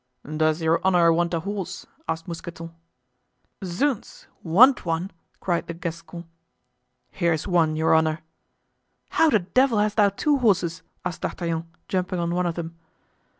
"Does your honor want a horse?" asked Mousqueton. "Zounds! want one!" cried the Gascon. "Here's one, your honor——" "How the devil hast thou two horses?" asked D'Artagnan, jumping on one of them.